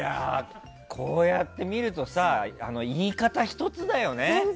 こうやって見るとさ言い方ひとつだよね。